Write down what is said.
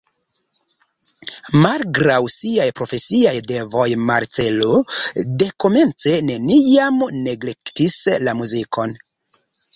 Malgraŭ siaj profesiaj devoj Marcello dekomence neniam neglektis la muzikon.